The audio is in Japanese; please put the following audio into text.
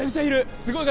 すごい数。